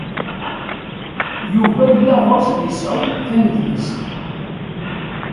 Yuba yella yeɣs ad yesɛu tanedlist.